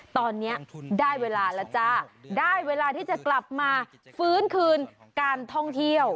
ตอนนี้ได้เวลาแล้วจ้าได้เวลาที่จะกลับมาฟื้นคืนการท่องเที่ยว